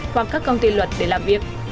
hoặc các công ty luật để làm việc